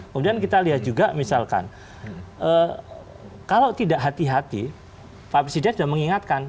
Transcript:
kemudian kita lihat juga misalkan kalau tidak hati hati pak presiden sudah mengingatkan